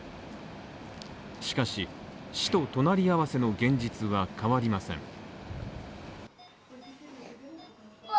しかし死と隣り合わせの現実は変わりません。